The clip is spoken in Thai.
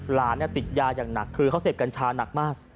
หลานเนี่ยติดยาอย่างหนักคือเขาเสพกัญชานักมาก